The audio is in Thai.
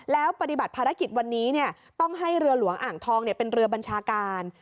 แล้วปฏิบัติภารกิจวันนี้ต้องให้เรือหลวงอ่างทองเป็นเรือบัญชาการ